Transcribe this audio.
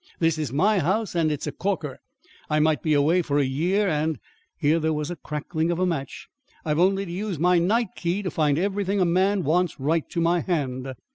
This is my house and it's a corker. I might be away for a year and" here there was the crackling of a match "I've only to use my night key to find everything a man wants right to my hand."